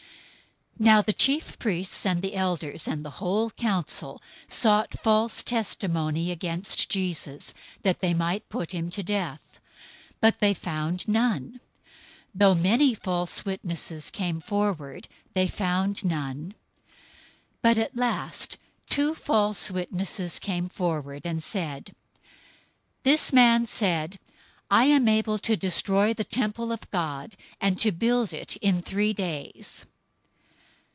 026:059 Now the chief priests, the elders, and the whole council sought false testimony against Jesus, that they might put him to death; 026:060 and they found none. Even though many false witnesses came forward, they found none. But at last two false witnesses came forward, 026:061 and said, "This man said, 'I am able to destroy the temple of God, and to build it in three days.'"